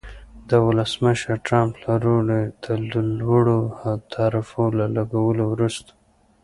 د ولسمشر ټرمپ له لوري د لوړو تعرفو له لګولو وروسته